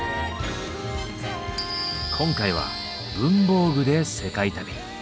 今回は文房具で世界旅。